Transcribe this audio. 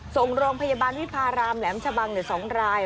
ส่งโรงพยาบาลวิพารามแหลมชะบัง๒ราย